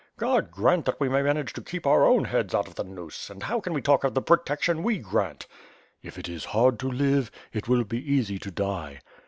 "God grant that we may manage to keep our own heads out of the noose, and how can we talk of the protection we grant!" "If it is hard to live, it will be easy to die."